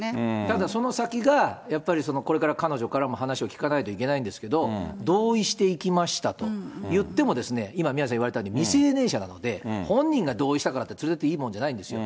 だからその先が、やっぱりそのこれから彼女からも話を聞かないといけないんですけど、同意して行きましたといっても、今、宮根さん言われたように、未成年者なので、本人が同意したからって、連れて行っていいわけじゃないんですよ。